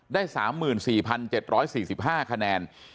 ได้๓๔๗๔๕คะแนน